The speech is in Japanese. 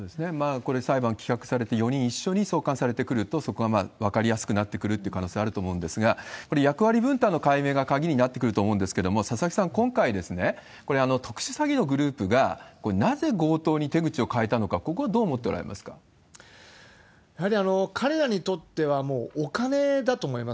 これ、裁判棄却されて、４人一緒に送還されてくると、そこが分かりやすくなってくるという可能性はあると思うんですが、やっぱり役割分担の解明が鍵になってくると思うんですけれども、佐々木さん、今回、これ、特殊詐欺のグループがなぜ強盗に手口を変えたのか、ここ、やはり彼らにとっては、もうお金だと思います。